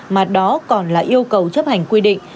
mà đó còn là yêu cầu chấp hành quy định